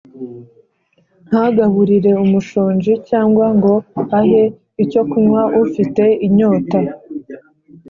ntagaburire umushonji, cyangwa ngo ahe icyo kunywa ufite inyota.